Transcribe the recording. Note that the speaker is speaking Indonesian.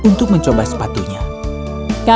untuk mencoba sepatunya